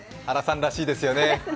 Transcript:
原さんらしいですよね